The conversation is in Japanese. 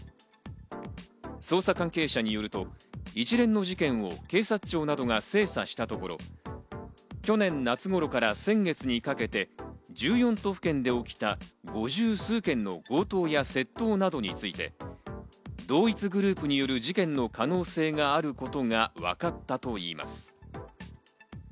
捜査関係者によると、一連の事件を警察庁などが精査したところ、去年夏頃から先月にかけて１４都府県で起きた５０数件の強盗や窃盗について、同一グループによる事件の可能性があることがわかったといいます。